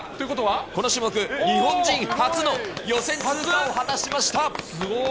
この種目、日本人初の予選通過を果たしました。